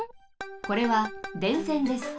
これは電線です。